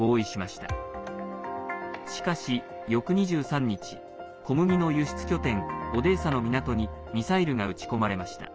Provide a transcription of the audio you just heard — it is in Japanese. しかし、翌２３日小麦の輸出拠点、オデーサの港にミサイルが撃ち込まれました。